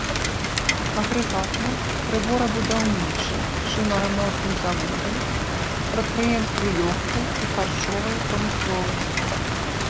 Агрэгатны, прыборабудаўнічы, шынарамонтны заводы, прадпрыемствы лёгкай і харчовай прамысловасці.